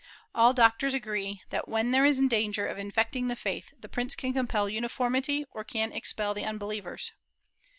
All doctors agree that, when there is danger of infecting the faith, the prince can compel uniformity or can expel the unbelievers.'